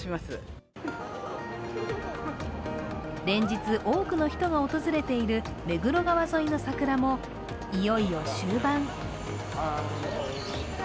連日、多くの人が訪れている目黒川沿いの桜もいよいよ終盤。